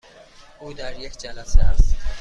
او در یک جلسه است.